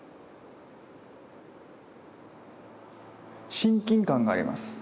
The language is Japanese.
親近感があります。